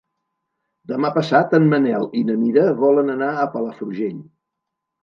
Demà passat en Manel i na Mira volen anar a Palafrugell.